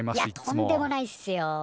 いやとんでもないっすよ。